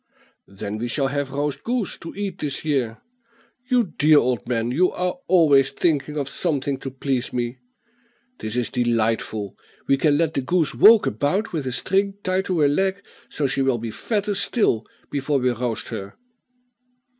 "Then we shall have roast goose to eat this year. You dear old man, you are always thinking of something to please me. This is delightful. We can let the goose walk about with a string tied to her leg, so she will be fatter still before we roast her."